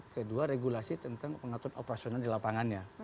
kedua regulasi tentang pengaturan operasional di lapangannya